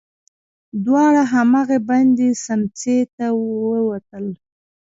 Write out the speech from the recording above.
دواړه هماغې بندې سمڅې ته ووتل.